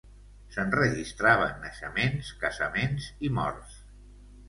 S'enregistraven naixements, casaments i morts.